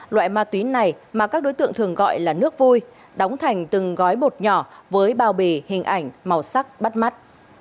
loại ma túy này mà các đối tượng thường gọi là nước vui đóng thành từng gói bột nhỏ với bao bì hình ảnh màu sắc bắt mắt